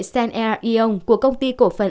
senn air ion của công ty cổ phần